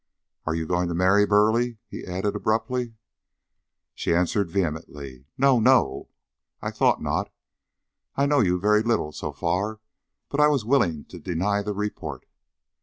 Are you going to marry Burleigh?" he added abruptly. She answered vehemently, "No! No!" "I thought not. I know you very little, so far, but I was willing to deny the report."